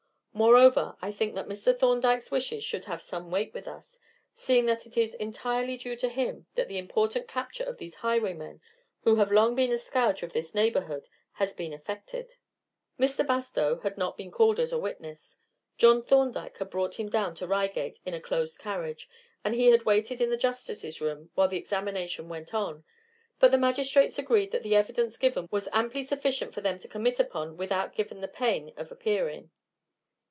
Moreover, I think that Mr. Thorndyke's wishes should have some weight with us, seeing that it is entirely due to him that the important capture of these highwaymen, who have long been a scourge to this neighborhood, has been effected." Mr. Bastow had not been called as a witness. John Thorndyke had brought him down to Reigate in a closed carriage, and he had waited in the justices' room while the examination went on; but the magistrates agreed that the evidence given was amply sufficient for them to commit upon without given him the pain of appearing.